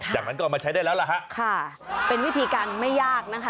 จากนั้นก็เอามาใช้ได้แล้วล่ะฮะค่ะเป็นวิธีการไม่ยากนะคะ